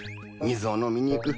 水を飲みに行く。